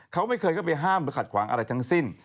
เขาไม่เคยเข้าไปห้ามหรือขัดขวางอะไรทั้งสิ้น